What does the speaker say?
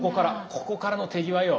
ここからの手際よ。